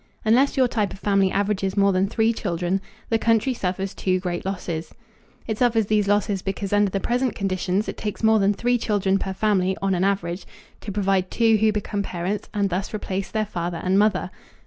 Unless your type of family averages more than three children, the country suffers two great losses. It suffers these losses because under the present conditions it takes more than three children per family on an average to provide two who become parents and thus replace their father and mother.